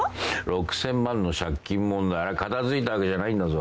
６，０００万の借金問題あれ片付いたわけじゃないんだぞ。